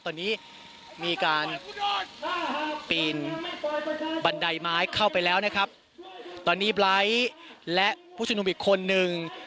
ตอนนี้มีการปีนบันไดไม้เข้าไปแล้วนะครับตอนนี้ไลท์และผู้ชุมนุมอีกคนนึง